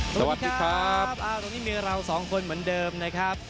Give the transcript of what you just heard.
สวัสดีครับตรงนี้มีเราสองคนเหมือนเดิมนะครับ